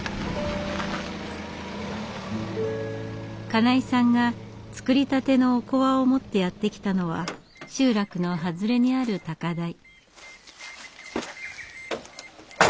金井さんが作りたてのおこわを持ってやって来たのは集落の外れにある高台。